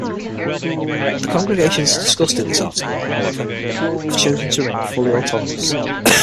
The congregations discussed in this article, however, have chosen to remain fully autonomous.